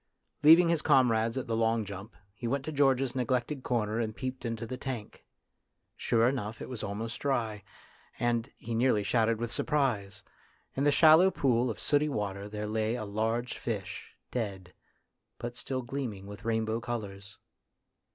Leaving his comrades at the long lump, he went to George's neglected corner and peeped into the tank. Sure enough it was almost dry, and, he nearly shouted with surprise, in the shallow pool of sooty water there lay a large fish, dead, but still gleaming with rainbow colours.